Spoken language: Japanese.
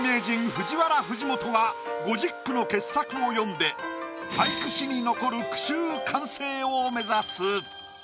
ＦＵＪＩＷＡＲＡ藤本が５０句の傑作を詠んで俳句史に残る句集完成を目指す。